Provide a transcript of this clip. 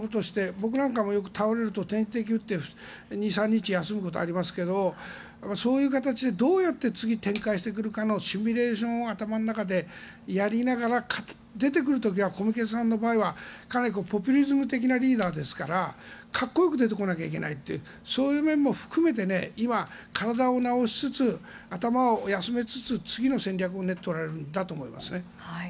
僕なんかも倒れると点滴を打って２３日休むことありますけどそういう形でどうやって展開していくかのシミュレーションを頭の中でやりながら出てくる時は小池さんの場合はかなりポピュリズム的なリーダーですから格好よく出てこなきゃいけないというそういう面も含めて今、体を治しつつ頭を休ませつつ次の戦略を練っておられるんだと思います。